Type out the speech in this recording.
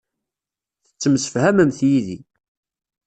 Tettemsefhamemt yid-i.